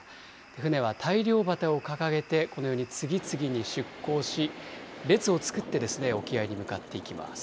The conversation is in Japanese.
船は大漁旗を掲げて、このように次々に出港し、列を作って沖合に向かっていきます。